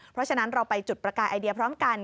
เพราะฉะนั้นเราไปจุดประกายไอเดียพร้อมกัน